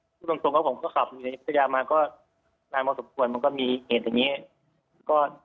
ตรงครับผมก็ขับพัทยามาก็นานมาสมควรมันก็มีเหตุอย่างนี้